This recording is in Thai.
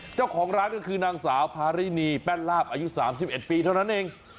เจ้าของร้านก็คือนางสาวพารินีแป้นลาบอายุ๓๑ปีเท่านั้นเอง